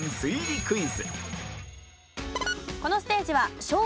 クイズ。